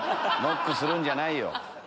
ノックするんじゃないよ。